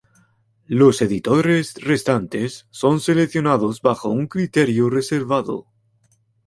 Los editores restantes son seleccionados bajo un criterio reservado.